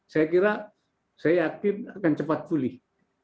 saya kira saya yakin akan cepat pulih